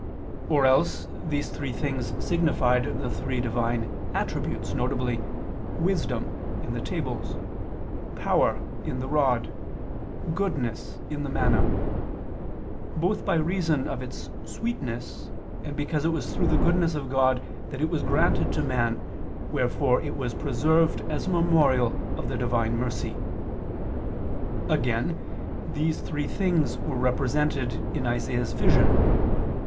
Or else these three things signified the three Divine attributes, viz. wisdom, in the tables; power, in the rod; goodness, in the manna both by reason of its sweetness, and because it was through the goodness of God that it was granted to man, wherefore it was preserved as a memorial of the Divine mercy. Again, these three things were represented in Isaias' vision.